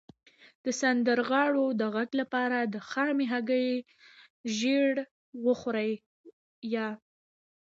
د سندرغاړو د غږ لپاره د خامې هګۍ ژیړ وخورئ